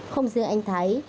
không riêng anh thái